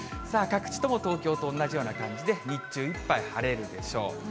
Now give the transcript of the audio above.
各地とも東京と同じような感じで、日中いっぱい晴れるでしょう。